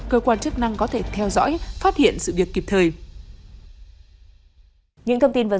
cơ quan chức năng có thể theo dõi phát hiện sự việc kịp thời